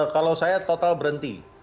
kalau saya total berhenti